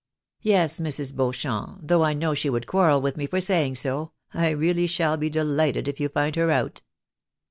Yes, Mrs. Beauchamp, though I know she would quarrel with me for saying so, I really shall be delighted if you find her out."